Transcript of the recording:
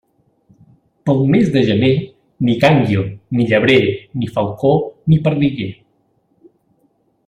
Pel mes de gener, ni gànguil, ni llebrer, ni falcó, ni perdiguer.